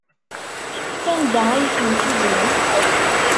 Sanda ay tent-tuznem?